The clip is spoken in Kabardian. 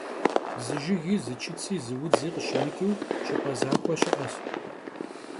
Zı jjıgi, zı çıtsi, zı vudzi khışımıç'ıu ş'ıp'e zaxui şı'eş.